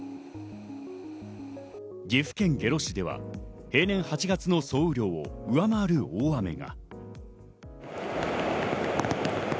岐阜県下呂市では例年８月の総雨量を上回る大雨が。